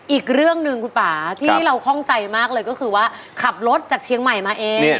อีกเรื่องหนึ่งคุณป่าที่เราคล่องใจมากเลยก็คือว่าขับรถจากเชียงใหม่มาเอง